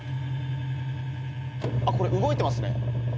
これ動いてますね。